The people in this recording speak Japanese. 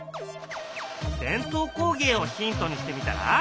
伝統工芸をヒントにしてみたら？